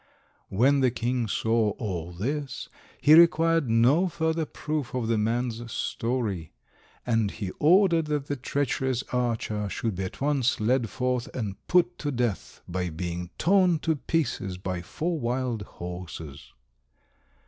When the king saw all this he required no further proof of the man's story, and he ordered that the treacherous archer should be at once led forth and put to death by being torn to pieces by four wild horses.